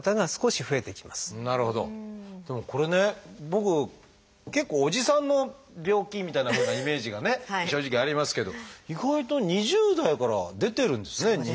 僕結構おじさんの病気みたいなふうなイメージがね正直ありますけど意外と２０代から出てるんですね。